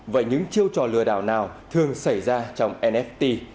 vậy những chiêu trò lừa đảo nào thường xảy ra trong nft